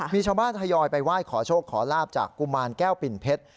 มีชาวบ้านทยอยไปไหว้ขอโชคขอลาบจากกุมารแก้วปิ่นเพชร